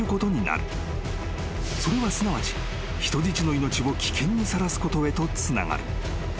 ［それはすなわち人質の命を危険にさらすことへとつながる］